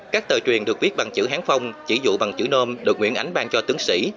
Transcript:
các tờ truyền được viết bằng chữ hán phong chỉ dụ bằng chữ nôm được nguyễn ánh ban cho tướng sĩ